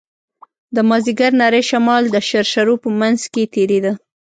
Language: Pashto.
د مازديګر نرى شمال د شرشرو په منځ کښې تېرېده.